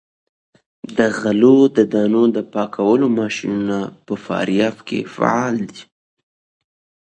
د غلو دانو د پاکولو ماشینونه په فاریاب کې فعال دي.